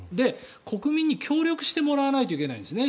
国民に協力してもらわないといけないんですね